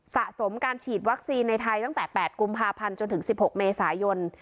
สะสมการฉีดวัคซีนในไทยตั้งแต่๘กุมภาพันธ์จนถึง๑๖เมษายน